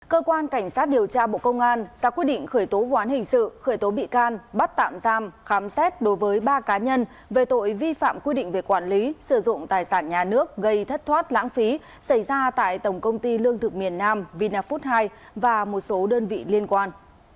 cơ quan cảnh sát điều tra bộ công an ra quyết định khởi tố vụ án hình sự khởi tố bị can bắt tạm giam khám xét đối với ba cá nhân về tội vi phạm quy định về quản lý sử dụng tài sản nhà nước gây thất thoát lãng phí xảy ra tại tổng công ty lương thực miền nam vina food hai và một số đơn vị liên quan